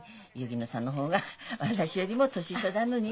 薫乃さんの方が私よりも年下だのによ。